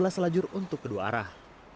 dan terlanjur untuk kedua arah